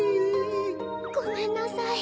ごめんなさい